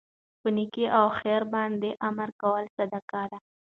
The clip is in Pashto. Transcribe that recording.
په نيکي او خیر باندي امر کول صدقه ده